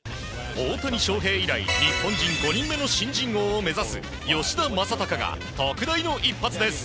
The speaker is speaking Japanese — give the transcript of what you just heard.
大谷翔平以来日本人５人目の新人王を目指す吉田正尚が特大の一発です。